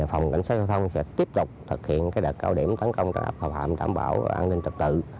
phòng cảnh sát giao thông sẽ tiếp tục thực hiện đợt cao điểm tấn công trạm bảo an ninh trật tự